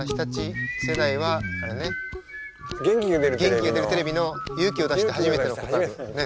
「元気が出るテレビ！！」の「勇気を出して初めての告白」ね。